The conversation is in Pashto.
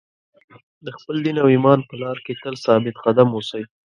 د خپل دین او ایمان په لار کې تل ثابت قدم اوسئ.